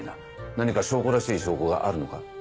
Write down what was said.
何か証拠らしい証拠があるのか？